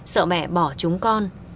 sợ mẹ bỏ chúng con